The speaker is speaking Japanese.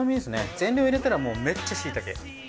全量入れたらもうめっちゃしいたけ。